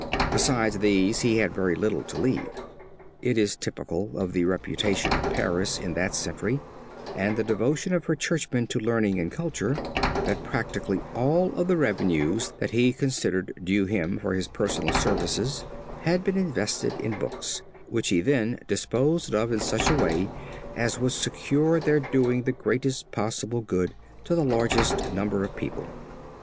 Besides these he had very little to leave. It is typical of the reputation of Paris in that century and the devotion of her churchmen to learning and culture, that practically all of the revenues that he considered due him for his personal services had been invested in books, which he then disposed of in such a way as would secure their doing the greatest possible good to the largest number of people.